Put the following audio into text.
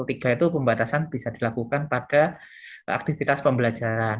itu pembatasan bisa dilakukan pada aktivitas pembelajaran